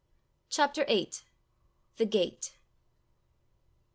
CHAPTER VIII. THE GATE.